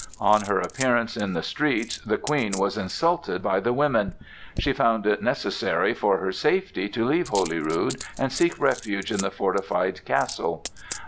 On her appearance in the streets, the Queen was insulted by the women. She found it necessary for her safety to leave Holyrood and seek refuge in the fortified castle.